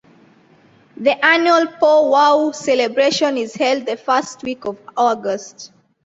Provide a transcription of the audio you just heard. The annual Pow-Wow Celebration is held the first week of August.